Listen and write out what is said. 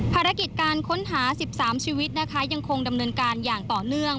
ภารกิจการค้นหา๑๓ชีวิตนะคะยังคงดำเนินการอย่างต่อเนื่อง